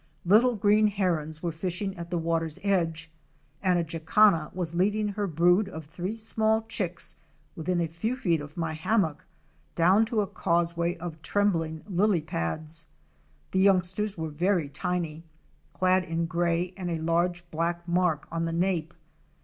Little Green Herons™ were fishing at the water's edge and a Jacana" was leading her brood of three small chicks within Fic. 160. YOUNG SPUR WINGED JACANA. a few feet of my hammock, down to a causeway of trem bling lily pads. The youngsters were very tiny, clad in gray with a large black mark on the nape.